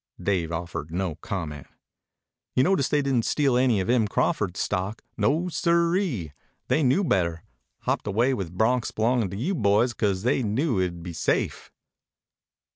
Dave offered no comment. "You notice they didn't steal any of Em Crawford's stock. No, sirree! They knew better. Hopped away with broncs belongin' to you boys because they knew it'd be safe."